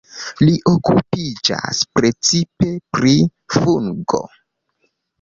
Li okupiĝas precipe pri fungoj.